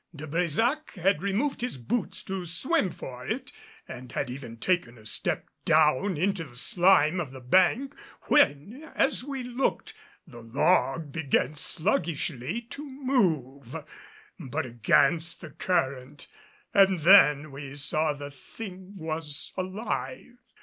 De Brésac had removed his boots to swim for it, and had even taken a step down into the slime of the bank, when, as we looked, the log began sluggishly to move, but against the current, and then we saw the thing was alive.